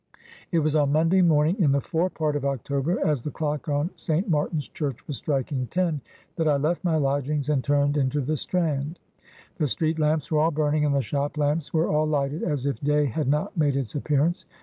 It was on Monday morning in the fore part of October, as the clock on St. Martin's church was striking ten, that I I left my lodgings and turned into the Strand. The street lamps were all burning and the shop lamps were all lighted, as if day had not made its appearance.